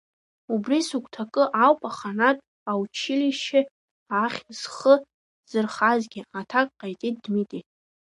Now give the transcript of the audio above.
Убри сыгәҭакы ауп аханатә аучилишьче ахь схы зырхазгьы, аҭак ҟаиҵеит Дмитри.